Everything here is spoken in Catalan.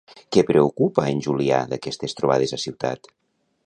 Què preocupa en Julià d'aquestes trobades a ciutat?